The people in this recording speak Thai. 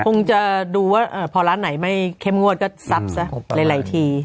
คงจะดูว่าพอร้านไหนไม่เข้มงวดก็ซับซะหลายที